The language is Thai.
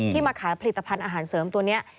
ที่มาขาผลิตภัณฑ์อาหารเสริมตัวเนี่ย